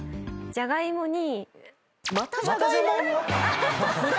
じゃがいもに？